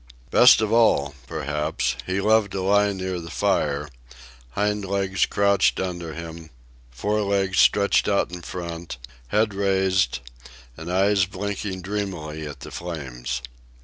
Best of all, perhaps, he loved to lie near the fire, hind legs crouched under him, fore legs stretched out in front, head raised, and eyes blinking dreamily at the flames.